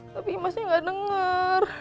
tapi imasnya gak denger